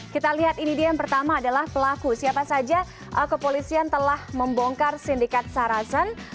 kita lihat ini dia yang pertama adalah pelaku siapa saja kepolisian telah membongkar sindikat sarasen